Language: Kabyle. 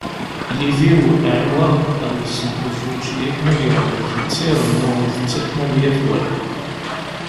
Lidiw (ɛiwaḍ) ad yessenkeẓ učči akken ad yeṛhef, netta irennu ittett akken ad yafway.